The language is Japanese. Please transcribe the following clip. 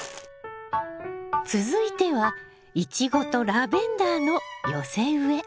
続いてはイチゴとラベンダーの寄せ植え。